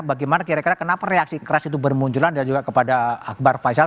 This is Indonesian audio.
bagaimana kira kira kenapa reaksi keras itu bermunculan dan juga kepada akbar faisal